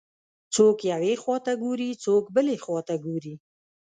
څوک یوې خواته ګوري، څوک بلې خواته ګوري.